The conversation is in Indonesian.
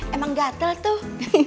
emang gatel tuh